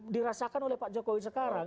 dirasakan oleh pak jokowi sekarang